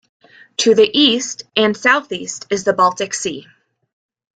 To the east and southeast is the Baltic Sea.